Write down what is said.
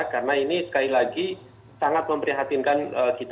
karena ini sekali lagi sangat memperhatinkan kita